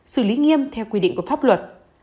xử lý nghiêm theo quy định của pháp luật